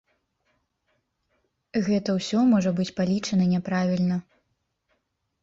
Гэта ўсё можа быць палічана няправільна.